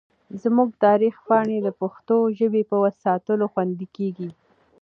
زموږ د تاریخ پاڼې د پښتو ژبې په ساتلو خوندي کېږي.